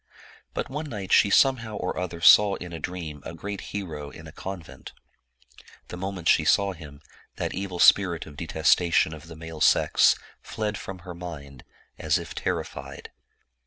But one night she somehow or other saw in a dream a great hero in a convent. The moment she saw him, that evil spirit of detestation of the male sex fled from her mind, as if terrified.